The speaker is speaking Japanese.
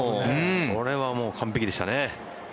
それはもう完璧でしたね。